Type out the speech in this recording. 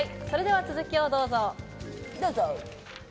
それでは続きをどうぞ。